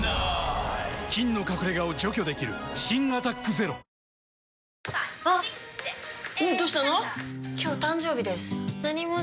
菌の隠れ家を除去できる新「アタックＺＥＲＯ」いいですよ。